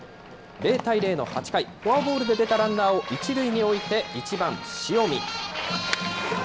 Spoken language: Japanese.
０対０の８回、フォアボールで出たランナーを１塁に置いて、１番塩見。